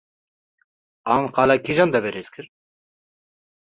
an qala kîjan deverê dikir